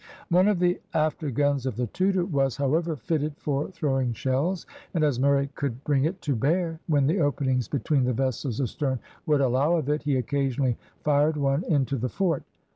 One of the after guns of the Tudor, was, however, fitted for throwing shells, and as Murray could bring it to bear, when the openings between the vessels astern would allow of it, he occasionally fired one into the fort.